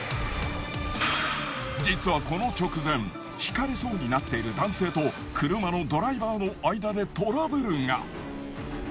実はこの直前ひかれそうになっている男性と車のドライバーの間でトラブルが。